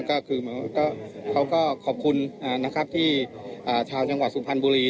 ก็คือเขาก็ขอบคุณนะครับที่ชาวจังหวัดสุพรรณบุรี